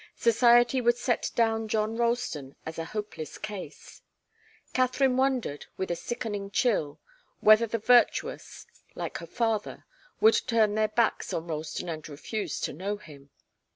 Society would set down John Ralston as a hopeless case. Katharine wondered, with a sickening chill, whether the virtuous like her father would turn their backs on Ralston and refuse to know him.